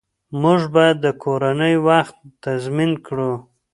موږ باید د کورنۍ وخت تنظیم کړو